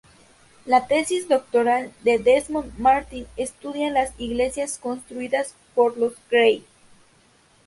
La tesis doctoral de Desmond Martin estudia las iglesias construidas por los Gray.